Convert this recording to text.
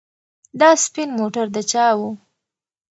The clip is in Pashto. دا سپین موټر د چا و؟